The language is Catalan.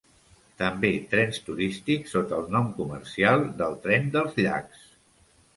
També trens turístics sota el nom comercial del Tren dels Llacs.